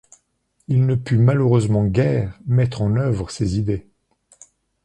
Il ne put malheureusement guère mettre en œuvre ses idées.